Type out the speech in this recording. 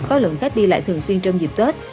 có lượng khách đi lại thường xuyên trong dịp tết